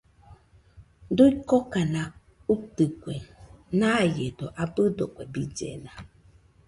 Kuikokana uitɨkue, naiedo abɨdo kue billena